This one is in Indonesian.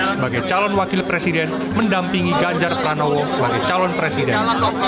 sebagai calon wakil presiden mendampingi ganjar pranowo sebagai calon presiden